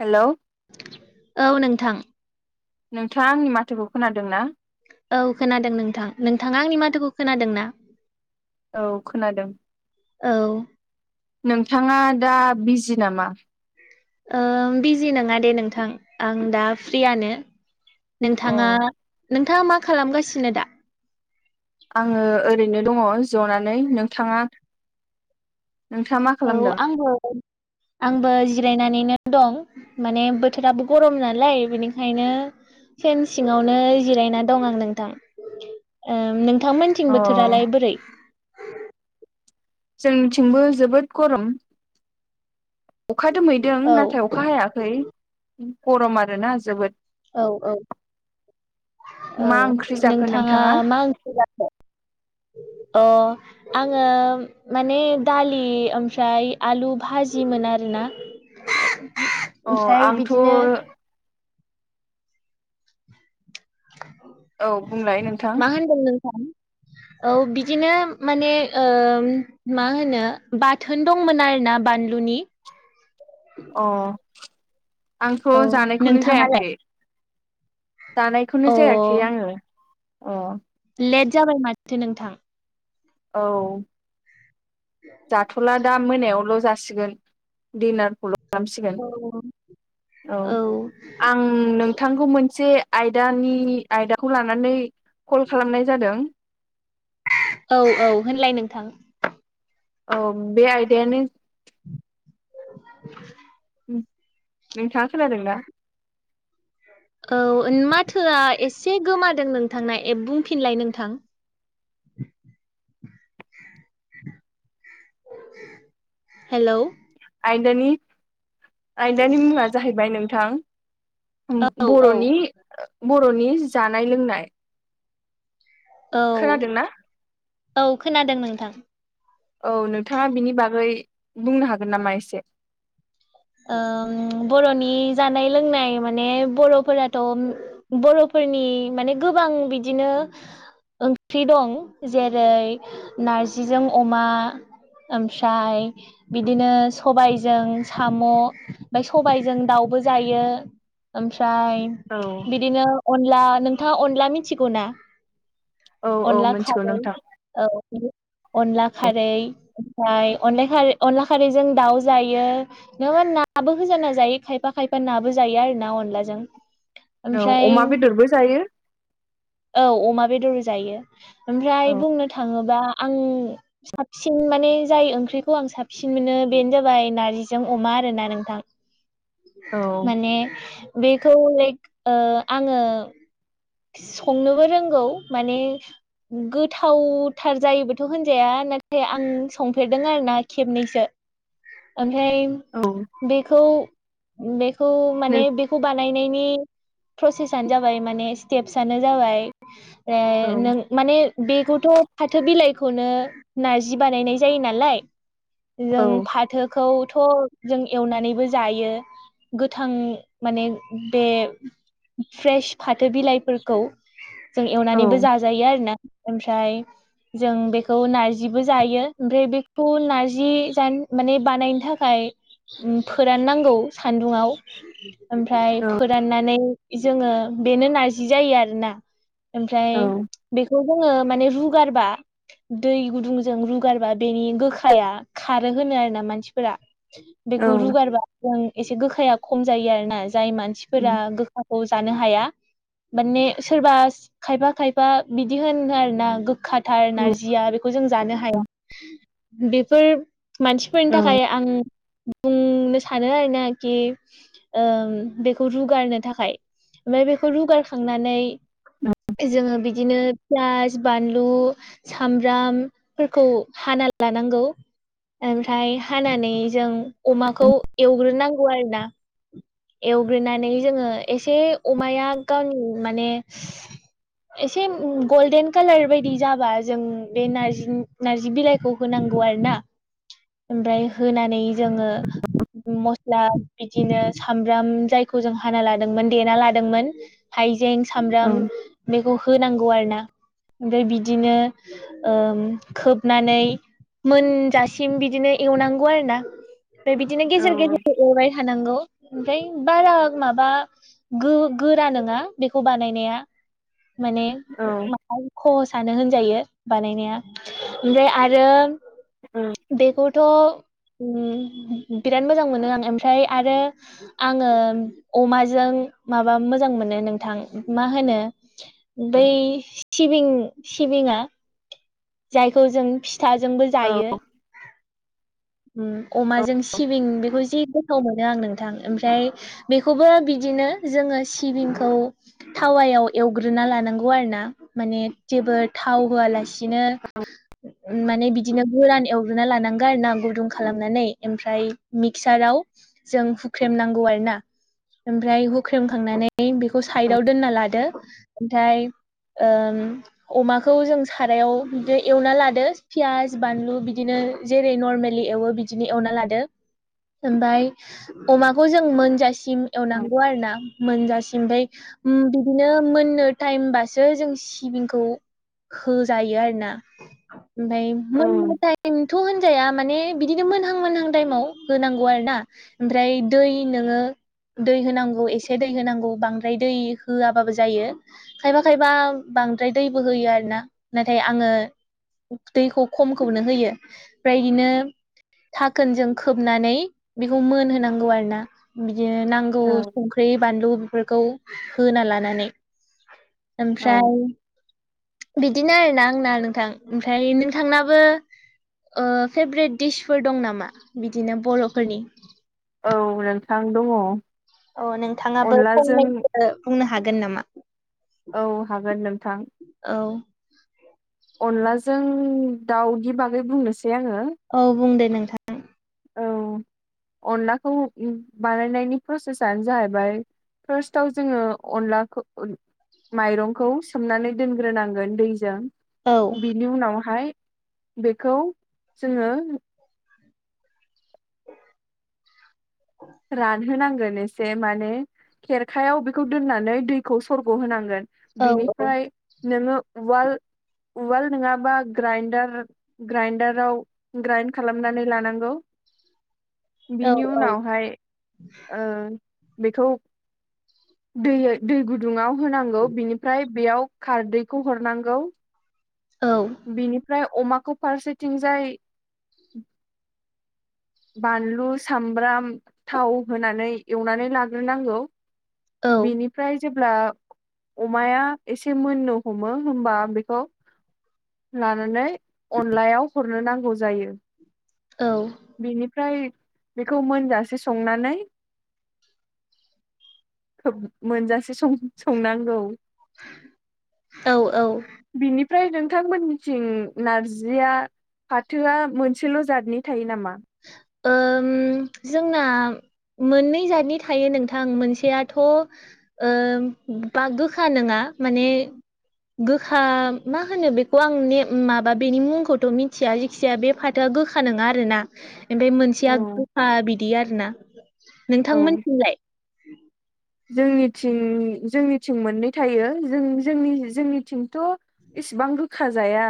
Hello औ नोंथां। नोंथाङा आंनि माथोखौ खोनादों ना? औ खोनादों नोंथां नोंथाङा आंनि माथोखौ खोनादों ना? औ खोनादों। औ नोंथाङा दा बिजि नामा? बिजि नङा दे नोंथां ओ आं दा फ्रियनो अ नोंथाङा नोंथाङा मा खालामगासिनो दा? आङो ओरैनो दङ ज'नानै नोंथाङा? नोंथाङा मा औ खालामदों? आंबो [unintelligible] आंबो जिरायनानैनो दं माने बोथोराबो गरम नालाय बेनिखायनो फेन सिङावनो जिरायना दं आं नोंथां। ओम नोंथांमोनथिं अ बोथोरालाय बोरै जोंनिथिंबो जोबोद गरम अखा दोमैदों औ नाथाय अखा हाया खै गरम आरो ना जोबोद। औ औ औ मा ओंख्रि जाखो नोंथाङा मा ओंख्रि जाखो? [inaudible] अ आङो माने दालि ओमफ्राय आलु भाजिमोन आरोना नों अ ओमफ्राय आंथ' बिदिनो औ बुंलाय नोंथां मा होनदों नोंथां? औ बिदिनो माने ओ मा होनो बाथो न दंमोन आरोना बानलुनि। अ आंथ औ जानायखौनो नोंथाङालाय जायाखै। दानायखौनो अ जायाखै आङो अ लेट जाबाय माथो नोंथां। औ। जाथ'ला दा मोनायावल' जासिगोन दिडनारखौल' ओ औ खालामसिगोन औ औ आं नोंथांखौ मोनसे आयदानि आयदाखौ लानानै कल खालामनाय जादों। औ औ होनलाय नोंथां? औ बे आयदायानो [unintelligible] नोंथाङा खोनादोंना? औ माथोआ एसे गोमादों नोंथांना ए बुंफिनलाय नोंथां। हेलौ। आयदानि आयदानि मुङा जाहैबाय नोंथां। औ औ बर'नि बर'नि जानाय लोंनाय। औ खोनादोंना औ खोनादों नोंथां। औ नोंथाङा बिनि बागै बुंनो हागोन नामा एसे? बर'नि जानाय लोंनाय माने बर'फोराथ' बर'फोरनि माने गोबां बिदिनो ओंख्रि दं जेरै नारजिजों अमा ओमफ्राय बिदिनो सबायजों साम' ओमफ्राय सबायजों दाउबो जायो ओमफ्राय औ बिदिनो अनला नोंथाङा अनला मिथिगौ ना? औ औ अनला मिथिगौ खारै नोंथां औ। अनला खारै ओमफ्राय अन खारै अनला खारैजों दाउ जायो। नङाबा नाबो होजाना जायो खायफा खायफा नाबो जायो आरो ना अनलाजों। औ ओमफ्राय अमा बेदरबो जायो औ अमा बेदर जायो। औ ओमफ्राय बुंनो थाङो बा आं साबसिन माने जाय ओंख्रिखौ आं साबसिन मोनो बेनो जाबाय नारजि जों अमा आरोना नोंथां औ माने बेखौ लाइक ओ आङो संनोबो रोंगौ माने गोथावथार जायोबोथ होनजाया नाथाय आं संफेरदों आरोना खेबनैसो ओमफ्राय औ। बेखौ बेखौ माने बे खौ बानायनायनि प्रसेसनो जाबाय माने स्टेप्सनो जाबाय रे नों माने बेखौथ फाथो बिलाइखौनो नारजि बानायनाय जायो नालाय। औ जों फाथोखौथ जों एवनानैबो जायो। गोथां माने बे फ्रेश फाथो बिलाइफोरखौ जों औ एवनानैबो जाजायो आरो ना। ओमफ्राय जों बेखौ नारजिबो जायो ओमफ्राय बेखौ नार्जि जानो माने बानायनो थाखाय फोराननांगौ सान्दुंङाव। ओमफ्राय फोराननानै जोङो बेनो नारजि जायो आरोना। ओमफ्राय बेखौ जोङो माने रुगारबा दै गुदुंजों रुगारबा बेनि गोखाया खारो होनो आरो ना मान सिफोरा औ बेखौ रुगारबा जों एसे गोखाया खम जायो आरोना। जाय औ मानसिफोरा गोखाखौ जानो हाया। माने सोरबा खायफा खायफा बिदि होनो आरोना गोखाथार औ नारजिया बेखौ जों जानो हाया बेफोर मानसिफोर औ थाखाय आं बुंनो सानो आरोना खि ओ बेखौ रुगारनो थाखाय ओमफ्राय बेखौ रुगारखांनानै जोङो बिदिनो फियास, बानलु, सामब्रामफोरखौ हाना लानांगौ ओमफ्राय खानानै जों अमाखौ एवग्रोनांगौ आरोना। एवग्रोनानै जोङो एसे अमाया गावनि माने [inaudible] एसे गल्डेन कालार बायदि जाबा जों बे नारजि नार्जि बिलाइखौ होनांगौ आरो ना। ओमफ्राय होनानै जोङो मस्ला बिदिनो सामब्राम जायखौ जों हाना लादोंमोन देना लादोंमोन हायजें औ सामब्राम बेखौ होनांगौ आरोना ओमफ्राय बिदिनो खोबनानै मोनजासिम बिदिनो एवनांगौ आरोना ओमफ्राय बिदिनो गेजेर गेजेर जों एरबाय थानांगौ ओमफ्राय बारा माबा गो गोरा नङा बेखौ बानायनाया माने औ [unintelligible] खहसानो होनजायो बानायनाया ओमफ्राय आरो बेखौ थ बिराद मोजां मोनो आं ओमफ्राय आरो आङो अमाजों माबा मोजां मोनो नोंथां मा होनो बै सिबिं सिबिङा जायखौ जों फिथाजोंबो औ जायो अमाजों सिबिं बेखौ जो गोथाव मोनो आं नोंथां ओमफ्राय बेखौबो बिदिनो जोङो सिबिंखौ थावायाव एवग्रोना लानांगौ आरो ना माने जेबो थाव होआलासिनो [unintelligible] माने बिदिनो गोरान एवग्रोना लानांगोन आरो ना गुदुं खालामनानै ओमफ्राय मिक्साराव जों हुख्रेम नांगौ आरोना ओमफ्राय हुख्रेमखांनानै बेखौ साइदाव दोनना लादो ओमफ्राय अमाखौ जों सारायाव बिदि एवना लादो पियास बानलु बिदिनो जेरै नरमेलि एवो बिदिनो एवना लादो ओमफ्राय अमाखौ जों मोनजासिम एवनांगौ आरोना मोनजासि ओमफ्राय बिदिनो मोननो टाइमबासो जों सिबिंखौ होजायो आरो ना ओमफ्राय मोननो तायेम थ' होनजाया माने बिदिनो मोनहां मोनहां टाइमाव होनांगौ आरो ना ओमफ्राय दै नोङो दै होनांगौ एसे दै होनांगौ बांद्राय दै होआबाबो जायो खायबा खायबा बांद्राय दैबो होयो आरो ना नाथाय आङो दैखौ खमखौनो होयो ओमफ्राय इनो घाखोनजों खोबनानै बेखौ मोनहोनांगौ आरो ना बिदि नांगौ औ संख्रि बानलु बेफोरखौ होना लानानै ओमफ्राय बिदिनो आरोना आंना नोंथां ओमफ्राय नोंथांनाबो फेभरेट डिसफोर दं नामा बिदिनो बर'फोरनि औ नोंथां दङ औ नोंथाङाबो अनलाजों फंनैसो बुंनो हागोन नामा औ हागोन नोंथां औ अनलाजों दाउनि बागै बुंनोसै आङो औ बुंदे नोंथां औ अनलाखौ बानायनायनि प्रसेसानो जाहैबाय फार्स्टआव जोङो अनलाखौ माइरंखौ सोमनानै दोनग्रोनांगोन दैजों औ बिनि उनावहाय बेखौ जोङो औ रानहोनांगोन एसे माने खेरखायाव बेखौ दोननानै दैखौ सरग' होनांगोन औ बिनिफ्राय नोङो उवाल उवाल नङाबा ग्राइनडार ग्राइनडाराव ग्राइन्ड खालामनानै लानांगौ औ बिनि औ उनावहाय बेखौ दै दै गुदुङाव होनांगौ बिनिफ्राय बेयाव खारदैखौ हरनांगौ औ बिनिफ्राय अमाखौ फारसेथिंजाय बानलु सामब्राम थाव होनानै एवनानै लाग्रोनांगौ। औ बिनिफ्राय जेब्ला अमाया एसे मोननो हमो होमबा बेखौ लानानै अनलायाव हरनो नांगौ जायो। औ बेनिफ्राय बेखौ मोनजासे संनानै खोब मोनजासे संनांगौ। औ औ। बिनिफ्राय नोंथांमोननिथिं नारजिया फाथोआ मोनसेल' जादनि थायो नामा? ओम जोंना मोननै जादनि थायो नोंथां मोनसेयाथ' ओ बा गोखा नोङा माने। गोखा मा होनो बेखौ आं माबा बेनि मुंखौथ' मिथिया जिख खिसिया बे फाथोआ गोखा नोङा आरोना। ओमफफाय औ मोनसेया गोखा बिदि आरोना। नोंथांमोनथिमलाय? जोंनिथिं-जोंनिथिं मोननै थायो। जों-जोंनि जोंनिथिंथ' इसेबां गोखा जाया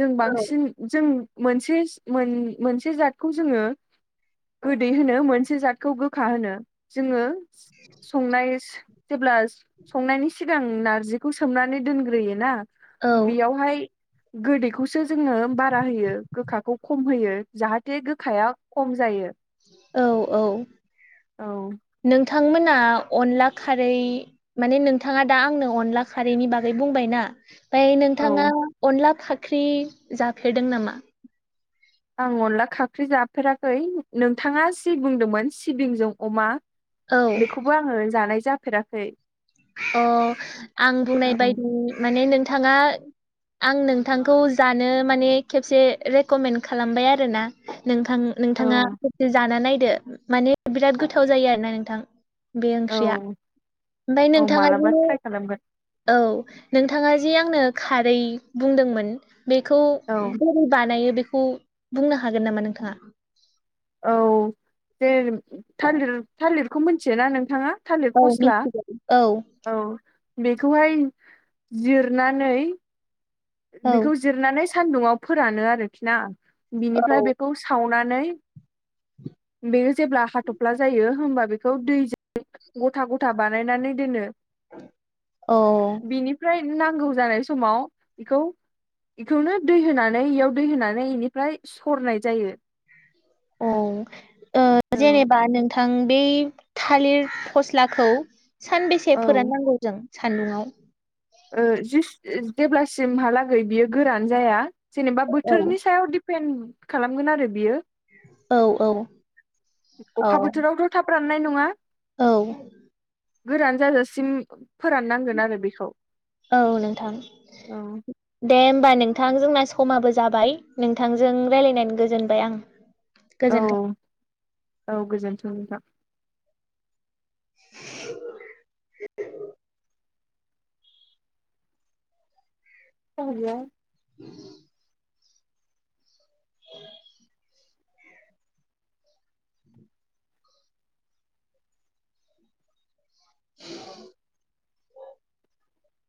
जों औ बांसिन जों मोनसेस मोन मोनसे जातखौ जोङो गोदै होनो मोनसे जातखौ गोखा होनो। जोङो संनायस जेब्ला संनायनि सिगां नारजिखौ सोमनानै दोनग्रोयोना औ बियावहाय गोदैखौसो जोङो बारा होयो गोखाखौ खम होयो जाहाथे गोखाया खम जायो। औ-औ औ नोंथांमोना अनला खारै माने नोंथाङा दा आंनो अनला खारैनि बागै बुंबाय ना। ओमफ्राय नोंथाङा औ अनला फाख्रि जाफेरदों नामा? आं अनला खाख्रि जाफेराखै नोंथाङा जि बुंदोंमोन सिबिंजों अमा औ बेखौबो आङो जानाय जाफेराखै। अ आं औ बुंनाय बायदि माने, नोंथाङा आं नोंथांखौ जानो माने खेबसे रेकमेन्ड खालामबाय आरोना। औ नोंथां-नोंथाङा ससे जाना नायदो माने बिराद गोथाव जायो आरोना नोंथां बेयो। ओंख्रिया औ ओमफाय औ नोंथाङा मालाबा जि। ट्राइ खालामगोन औ नोंथाङा जे आंनो खारै बुंदोंमोन। बेखौ औ बोरै बानायो बेखौ बुंनो हागोन नामा नोंथाङा? औ जे थालिर-थालिरखौ मिथियोना नोंथाङा? थालिर औ फस्ला मिथिगौ औ औ बेखौहाय जिरनानै औ बेखौ जिरनानै सान्दुंआव फोरानो आरोखि ना बिनिफ्राय औ बेखौ सो सावनानै बेयो जेब्ला हाथफ्ला जायो होमबा बेखौ दैजों गथा-गथा बानायनानै दोनो। औ। बिनिफ्राय नांगौ जानाय समाव बेखौ बेखौनो दै होनानै इयाव दै होनानै बेनिफ्राय सरनाय जायो। औ ओ औ जेनेबा नों थां बै थालिर फस्लाखौ सानबेसे औ फोराननांगौ जों? सान्दुंआव। ओ जिसु जेब्लासिमहालागै बियो गोरान जाया जेनेबा औ बोथोरनि सायाव दि पेन खालामगोन आरो बियो। औ औ। औ अखा बोथोरावथ' थाब राननाय नङा। औ गोरान जाजासिम फोराननांगोन आरो बिखौ। औ नोंथां। दे होमबा नोंथां जोंना समाबो जाबाय नोंथांजों रायलायनानै गोजोनबाय आं। गोजोन्थों। औ औ गोजोन्थों नोंथां। [unintelligible] सोर बियो। [inaudible] [inaudible]